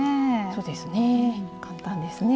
そうですね。